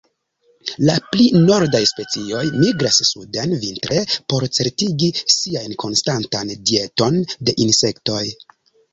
La pli nordaj specioj migras suden vintre, por certigi siajn konstantan dieton de insektoj.